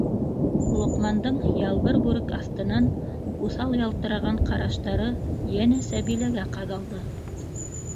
- Лоҡмандың ялбыр бүрек аҫтынан уҫал ялтыраған ҡараштары йәнә Сәбиләгә ҡаҙалды.